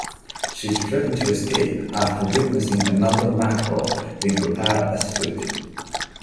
She is driven to escape after witnessing another mackerel being prepared as food.